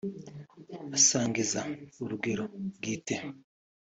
Abasangiza urugero bwite